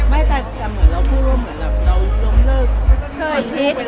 ไม่แต่เหมือนเราพูดเรื่องเหมือนเราล้มเลิก